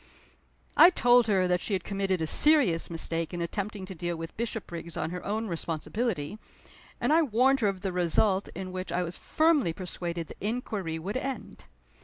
I told her that she had committed a serious mistake in attempting to deal with Bishopriggs on her own responsibility; and I warned her of the result in which I was firmly persuaded the inquiry would end.